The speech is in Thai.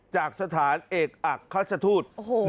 จากสถานเอกอักษฎุทัย